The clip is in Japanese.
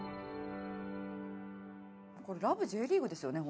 「これ『ラブ！！Ｊリーグ』ですよね？